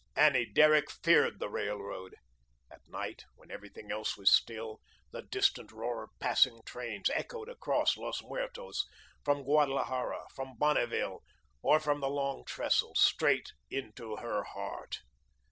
Annie Derrick feared the railroad. At night, when everything else was still, the distant roar of passing trains echoed across Los Muertos, from Guadalajara, from Bonneville, or from the Long Trestle, straight into her heart.